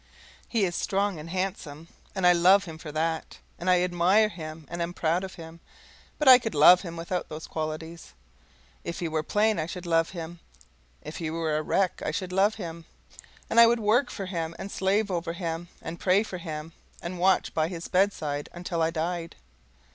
He is strong and handsome, and I love him for that, and I admire him and am proud of him, but I could love him without those qualities. If he were plain, I should love him; if he were a wreck, I should love him; and I would work for him, and slave over him, and pray for him, and watch by his bedside until I died.